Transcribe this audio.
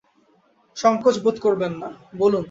সংকোচ বোধ করবেন না, বলুন।